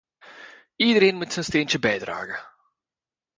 Iedereen moet zijn steentje bijdragen.